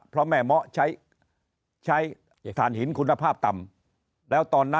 เพราะแม่เมาะใช้ศาลหินคุณภาพต่ำ